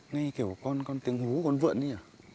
nghe kiểu con tiếng hú con vượn ấy nhỉ